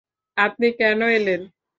আপনি কেন এলেন?